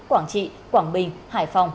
quảng trị quảng bình hải phòng